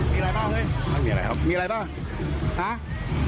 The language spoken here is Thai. โทรศัพท์โทรศัพท์โทรศัพท์โทรศัพท์โทรศัพท์